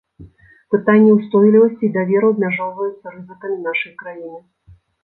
Пытанне ўстойлівасці і даверу абмяжоўваюцца рызыкамі нашай краіны.